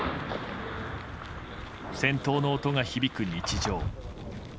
戦闘の音が響く日常。